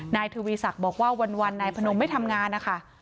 นายทวีศักดิ์บอกว่าวันนายพนมไม่ทำงานนะคะ